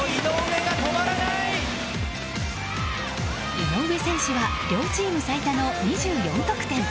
井上選手は両チーム最多の２４得点。